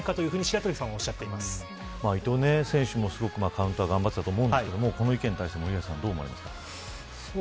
伊東選手もすごくカウンター頑張ってたと思うんですけどこの一件に対して森保さんどう思われますか。